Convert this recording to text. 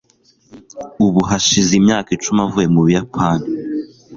Ubu hashize imyaka icumi avuye mu Buyapani.